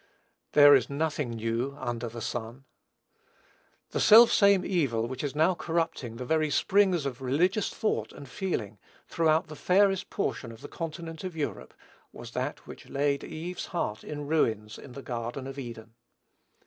"There is nothing new under the sun." The self same evil which is now corrupting the very springs of religious thought and feeling, throughout the fairest portion of the continent of Europe, was that which laid Eve's heart in ruins, in the garden of Eden.